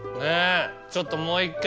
ちょっともう１回。